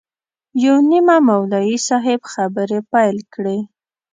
یو نیمه مولوي صاحب خبرې پیل کړې.